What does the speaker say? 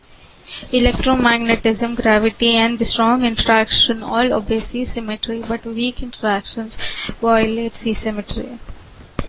Electromagnetism, gravity and the strong interaction all obey C-symmetry, but weak interactions violate C-symmetry.